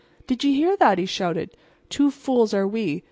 "Did ye hear that?" he shouted. "Two fools are we.